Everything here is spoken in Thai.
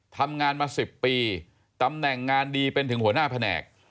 ทำงานมา๑๐ปีตำแหน่งงานดีเป็นถึงหัวหน้าแผนก